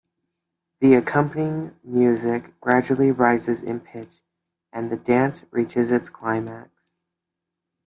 The accompanying music gradually rises in pitch and the dance reaches its climax.